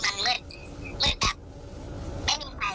มันรู้ว่าพี่เขานั่ง